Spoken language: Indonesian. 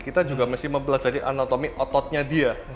kita juga mesti mempelajari anatomi ototnya dia